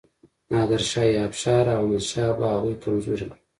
نادر شاه افشار او احمد شاه بابا هغوی کمزوري کړل.